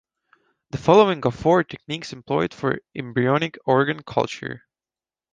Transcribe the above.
The following are four techniques employed for embryonic organ culture.